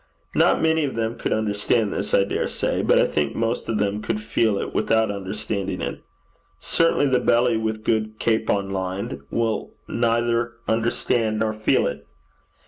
'Not many of them could understand this, I dare say: but I think most of them could feel it without understanding it. Certainly the "belly with good capon lined" will neither understand nor feel it.